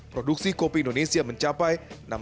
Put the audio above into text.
produksi kopi indonesia mencapai